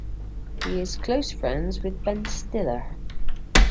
He is close friends with Ben Stiller.